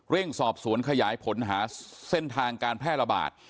สอบสวนขยายผลหาเส้นทางการแพร่ระบาด